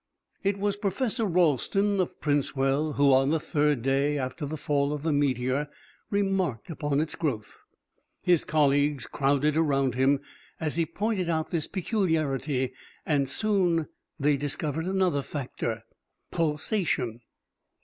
It was Professor Ralston of Princewell who, on the third day after the fall of the meteor, remarked upon its growth. His colleagues crowded around him as he pointed out this peculiarity, and soon they discovered another factor pulsation!